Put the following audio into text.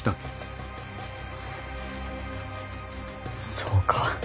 そうか。